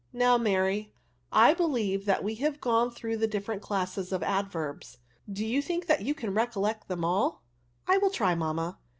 Now> Mary, I believe that we have gone through the different classes of adverbs; do you think that you can recollect them all t" *' I will try, mamma.